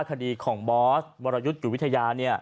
คดีของบอสวรยุติอยู่วิทยา